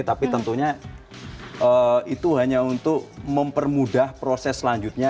tapi tentunya itu hanya untuk mempermudah proses selanjutnya